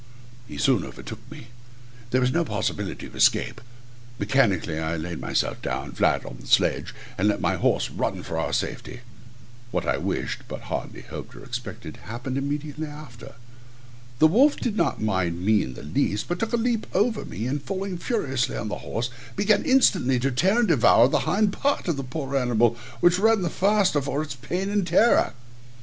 He soon overtook me. There was no possibility of escape. Mechanically I laid myself down flat in the sledge, and let my horse run for our safety. What I wished, but hardly hoped or expected, happened immediately after. The wolf did not mind me in the least, but took a leap over me, and falling furiously on the horse, began instantly to tear and devour the hind part of the poor animal, which ran the faster for his pain and terror.